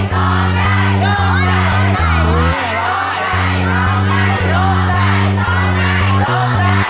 โตไปโตไปโตไป